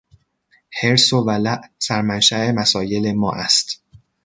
حرص و ولع سرمنشا مسایل ما است.